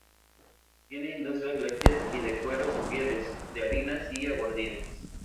Tiene industrias lácteas, de cueros y pieles, de harinas y aguardientes.